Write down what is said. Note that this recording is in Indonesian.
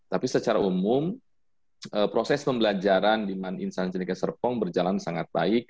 tapi secara umum proses pembelajaran di man insan ceneka serpong berjalan sangat baik